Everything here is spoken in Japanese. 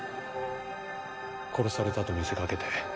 殺されたと見せかけて。